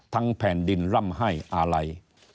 แผ่นดินร่ำให้อาลัย